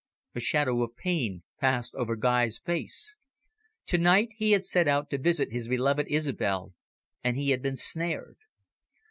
A shadow of pain passed over Guy's face. To night, he had set out to visit his beloved Isobel, and he had been snared.